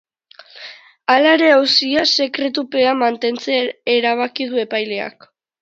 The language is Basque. Hala ere, auzia sekretupean mantentzea erabaki du epaileak.